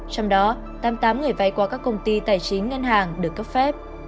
trong đó tám mươi tám người vay qua các công ty tài chính ngân hàng được cấp phép